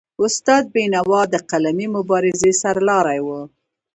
استاد بینوا د قلمي مبارزې سرلاری و.